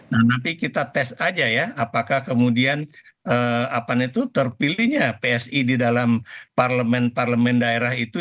nah nanti kita tes aja ya apakah kemudian terpilihnya psi di dalam parlemen parlemen daerah itu